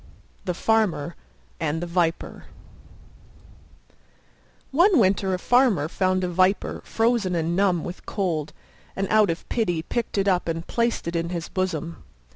THE FARMER AND THE VIPER One winter a Farmer found a Viper frozen and numb with cold, and out of pity picked it up and placed it in his bosom.